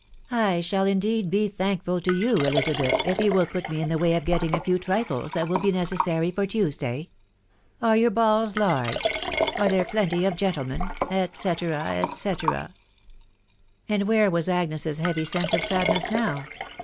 ... I shall, indeed, be thankful to you, Bli—hethj if y«* will put roe in the way of getting a lew trifle* thai. wJU se necessary for Tuesday. •.• Are your haUs large? . .......Air there plenty of gentlemen ...." ore &c And where was Agnes's heavy sense of sadness new